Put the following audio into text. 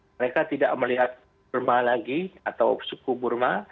mereka tidak melihat kurma lagi atau suku burma